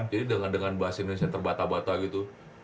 jadi dengan bahasa indonesia terbata bata gitu